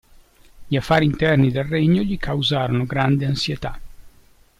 Gli affari interni del regno gli causarono grande ansietà.